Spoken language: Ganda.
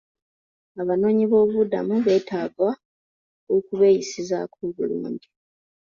Abanoonyi b'obubuddamu beetaga okubeeyisizzaako obulungi.